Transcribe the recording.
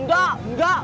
enggak nanya mulu lu mot